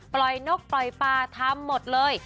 นกปล่อยปลาทำหมดเลย